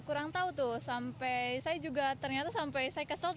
kurang tahu tuh sampai saya juga ternyata sampai saya kesel